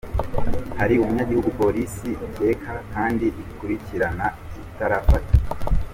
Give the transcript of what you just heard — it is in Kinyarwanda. Hari umunyagihugu polisi ikeka kandi ikurikirana itarafata.